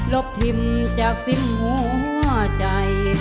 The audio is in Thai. บทิมจากสิ้นหัวใจ